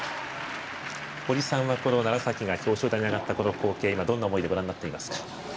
堀さんは、この楢崎が表彰台に上がった、この光景どんな思いでご覧になっていますか？